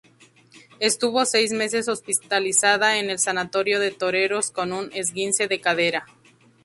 Estuvo seis meses hospitalizada en el Sanatorio de Toreros con un esguince de cadera.